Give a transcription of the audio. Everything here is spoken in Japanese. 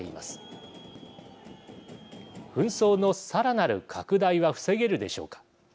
紛争のさらなる拡大は防げるでしょうか。